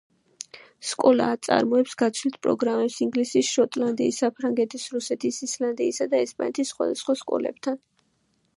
სკოლა აწარმოებს გაცვლით პროგრამებს ინგლისის, შოტლანდიის, საფრანგეთის, რუსეთის, ისლანდიის და ესპანეთის სხვადასხვა სკოლებთან.